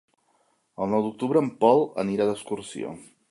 El nou d'octubre en Pol anirà d'excursió.